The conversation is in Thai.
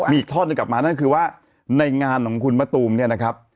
มีอีกท่อนหนึ่งกลับมานั่นคือว่าในงานของคุณมะตูมเนี่ยนะครับ